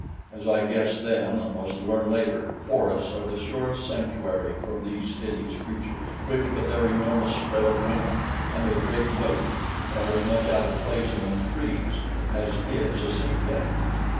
As I guessed then and was to learn later, forests are the surest sanctuary from these hideous creatures, which, with their enormous spread of wing and their great weight, are as much out of place among trees as is a seaplane.